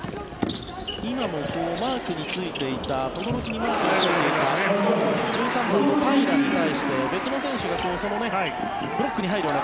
今も轟のマークについていた１３番の平良に対して別の選手がブロックに入るような形。